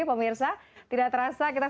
pemirsa tidak terasa kita